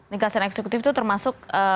ringkasan eksekutif itu termasuk